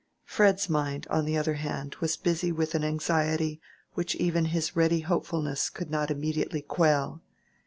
Fred's mind, on the other hand, was busy with an anxiety which even his ready hopefulness could not immediately quell.